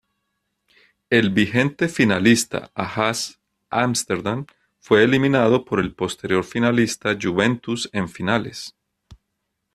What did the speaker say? El vigente finalista Ajax Ámsterdam, fue eliminado por el posterior finalista Juventus en semifinales.